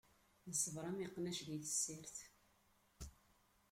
Neṣber am iqnac di tessirt.